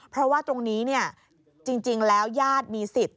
เพราะว่าตรงนี้จริงแล้วญาติมีสิทธิ์